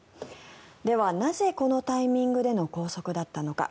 ではなぜこのタイミングでの拘束だったのか。